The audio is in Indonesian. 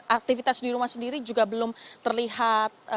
aktivitas di rumah sendiri juga belum terlihat